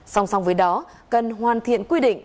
song song với đó cần hoàn thiện quy định